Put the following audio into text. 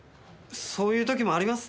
そういう時もありますって。